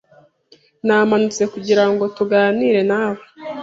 Namanutse kugira ngo tuganire nawe”